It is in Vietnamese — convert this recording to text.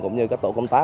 cũng như các tổ công tác